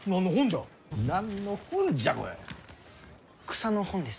草の本です。